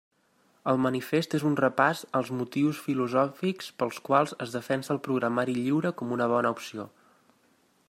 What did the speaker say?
El manifest és un repàs als motius filosòfics pels quals es defensa el programari lliure com una bona opció.